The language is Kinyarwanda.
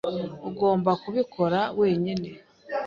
Ugomba kubikora wenyine.